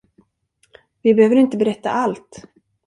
Vi behöver inte berätta allt.